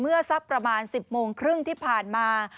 สักประมาณ๑๐โมงครึ่งที่ผ่านมา